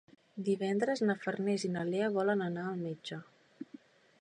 Divendres na Farners i na Lea volen anar al metge.